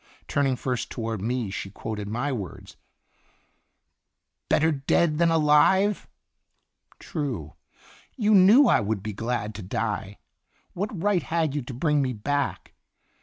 Turning first toward me she quoted my words :" 'Better dead than alive !' True. You knew I would be glad to die. What right had you to bring me back?